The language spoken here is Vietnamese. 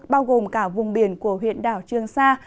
bao gồm cả vùng biển của huyện đảo trương sa